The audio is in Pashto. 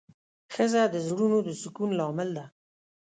ښځه د زړونو د سکون لامل ده.